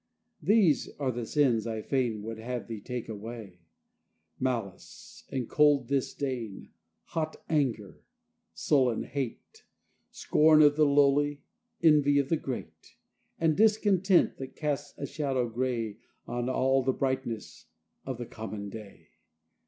These are the sins I fain Would have thee take away: Malice, and cold disdain, Hot anger, sullen hate, Scorn of the lowly, envy of the great, And discontent that casts a shadow gray On all the brightness of the common day.